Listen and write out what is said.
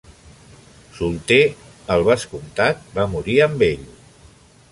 Solter, el vescomtat va morir amb ell.